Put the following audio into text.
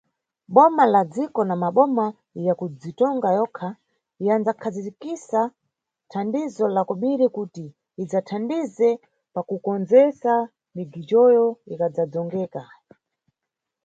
Boma la dziko na maboma ya kubzitonga yokha yandzakhazikisa thandizo la kobiri kuti idzathandize pakukondzesa migijoyo ingadzadzongeka.